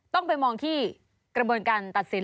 ต้องไปมองที่กระบวนการตัดสิน